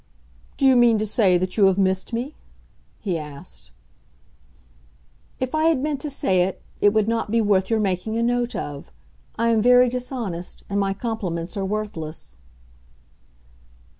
"Do you mean to say that you have missed me?" he asked. "If I had meant to say it, it would not be worth your making a note of. I am very dishonest and my compliments are worthless."